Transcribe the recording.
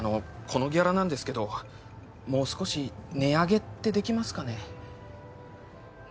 このギャラなんですけどもう少し値上げってできますかね？